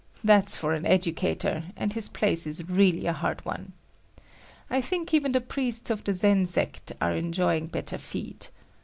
That's for an educator, and his place is really a hard one. I think even the priests of the Zen sect are enjoying better feed.